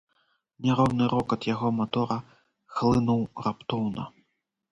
Няроўны рокат яго матора хлынуў раптоўна.